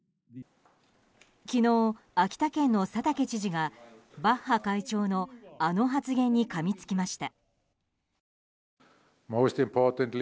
昨日、秋田県の佐竹知事がバッハ会長の、あの発言にかみつきました。